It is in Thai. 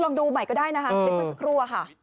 ลองดูใหม่ก็ได้นะคะคลิปเมื่อสักครู่อะค่ะ